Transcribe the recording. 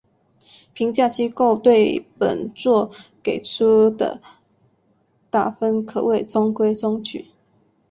评价机构对本作给出的打分可谓中规中矩。